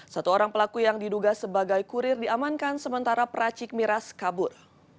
satu orang pelaku yang diduga sebagai kurir diamankan sementara peracik miras kabur